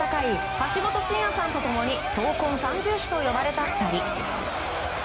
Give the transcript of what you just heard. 橋本真也さんと共に闘魂三銃士と呼ばれた２人。